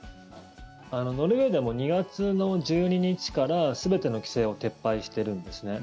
ノルウェーでも２月の１２日から全ての規制を撤廃してるんですね。